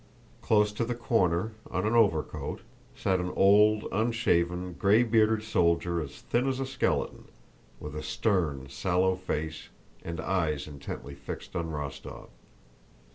Close to the corner, on an overcoat, sat an old, unshaven, gray bearded soldier as thin as a skeleton, with a stern sallow face and eyes intently fixed on Rostóv.